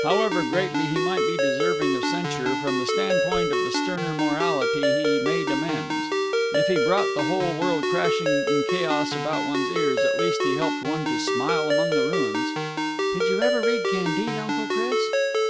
However greatly he might be deserving of censure, from the standpoint of the sterner morality, he made amends. If he brought the whole world crashing in chaos about one's ears, at least he helped one to smile among the ruins. "Did you ever read 'Candide,' Uncle Chris?"